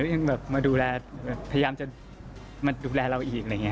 แล้วยังมาดูแลพยายามจะมาดูแลเราอีก